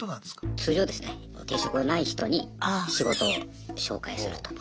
通常ですね定職ない人に仕事を紹介すると。